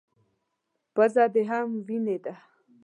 _پزه دې هم وينې ده.